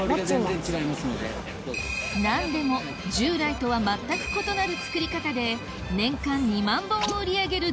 何でも従来とは全く異なる作り方で年間２万本を売り上げる